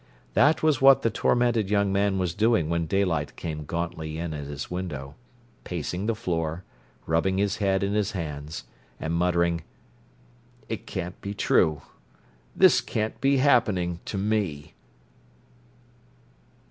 That was what the tormented young man was doing when daylight came gauntly in at his window—pacing the floor, rubbing his head in his hands, and muttering: "It can't be true: this can't be happening to me!"